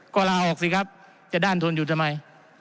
ก็ลาออกสิครับจะด้านทนอยู่ทำไม